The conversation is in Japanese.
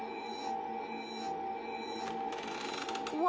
うわ